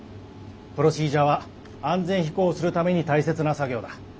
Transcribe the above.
プロシージャーは安全飛行するために大切な作業だ。